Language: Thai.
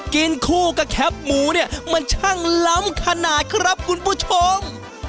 กินคู่กับแคปหมูเนี่ยมันช่างล้ำขนาดครับคุณผู้ชม